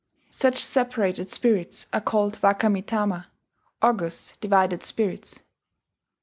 Such separated spirits are called waka mi tama ("august divided spirits").